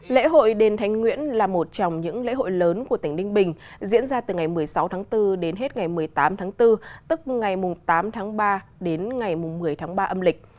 lễ hội đền thánh nguyễn là một trong những lễ hội lớn của tỉnh ninh bình diễn ra từ ngày một mươi sáu tháng bốn đến hết ngày một mươi tám tháng bốn tức ngày tám tháng ba đến ngày một mươi tháng ba âm lịch